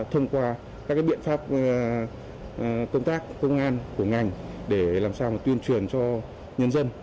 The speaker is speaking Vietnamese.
thông qua các biện pháp công tác công an của ngành để làm sao tuyên truyền cho nhân dân